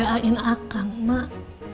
minah mau mikirin akang mak